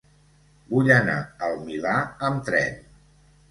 Vull anar al Milà amb tren.